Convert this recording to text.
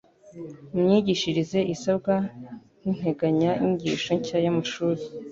mu myigishirize isabwa n'integanya nyigisho nshya y'amashuri